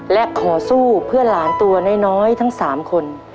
และขอสู้เพื่อหลานตัวน้อยทั้ง๓คน